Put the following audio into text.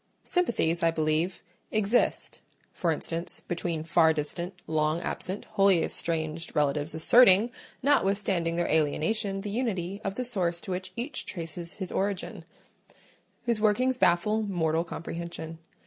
Sympathies, I believe, exist (for instance, between far distant, long absent, wholly estranged relatives asserting, notwithstanding their alienation, the unity of the source to which each traces his origin) whose workings baffle mortal comprehension.